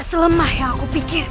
seperti kata hemosul